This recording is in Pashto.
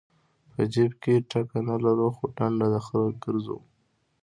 په جیب کې ټکه نه لرو خو ډنډه د خره ګرځو.